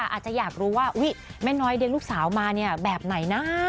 อาจจะอยากรู้ว่าแม่น้อยเลี้ยงลูกสาวมาแบบไหนนะ